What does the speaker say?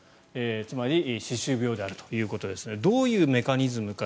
つまり、歯周病であるということですがどういうメカニズムか。